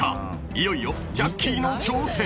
［いよいよジャッキーの挑戦！］